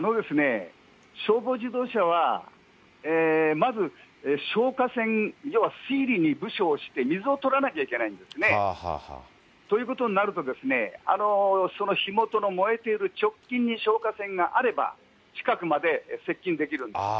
消防自動車はまず消火栓、要は水を取らなきゃいけないんですね。ということになると、その火元の燃えている直近に消火栓があれば、近くまで接近できるんです。